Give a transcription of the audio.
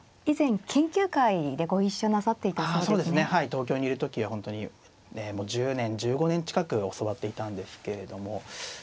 東京にいる時は本当にもう１０年１５年近く教わっていたんですけれども。